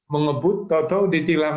mengebut totoh ditilang